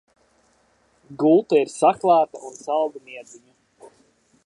Gulta ir saklāta un saldu miedziņu!